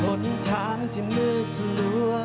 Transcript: หล่นทางที่มือสลัว